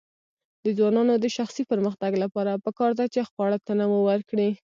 د ځوانانو د شخصي پرمختګ لپاره پکار ده چې خواړه تنوع ورکړي.